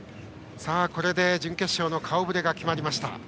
これで準決勝の顔ぶれが決まりました。